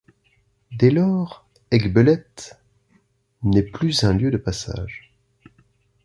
Dès lors, Aiguebelette n'est plus un lieu de passage.